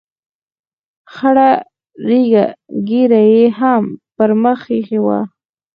خړه ږیره یې هم پر مخ اېښې وه.